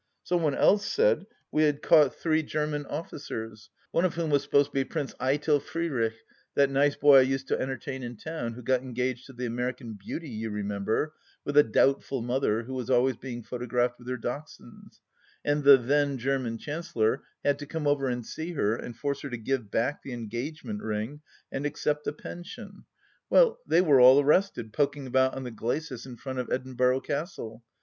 Some one else said we had caught three 82 THE LAST DITCH German officers, one of whom was supposed to be Prince Eitel Friedrich, that nice boy I used to entertain in town, who got engaged to the American beauty, you remember, with a doubtful mother who was always being photographed with her dachshunds, and the then German Chancellor had to come over and see her and force her to give back the en gagement ring and accept a pension — ^well, they were all arrested poking about on the glacis in front of Edinburgh Castle.